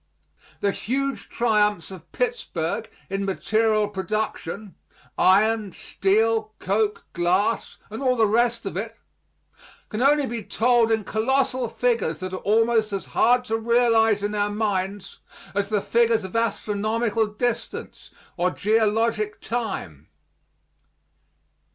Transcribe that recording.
The huge triumphs of Pittsburg in material production iron, steel, coke, glass, and all the rest of it can only be told in colossal figures that are almost as hard to realize in our minds as the figures of astronomical distance or geologic time.